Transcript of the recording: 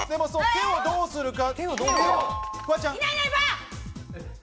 手をどうするか。